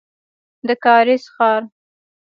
د کارېز ښار.